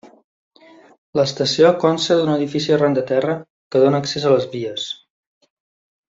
L'estació consta d'un edifici arran de terra que dóna accés a les vies.